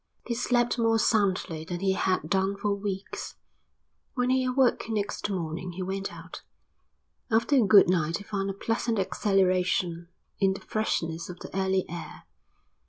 He slept more soundly than he had done for weeks. When he awoke next morning he went out. After a good night he found a pleasant exhilaration in the freshness of the early air.